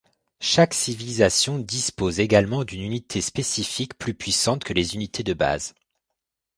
Chaque civilisation dispose également d’une unité spécifique plus puissantes que les unités de base.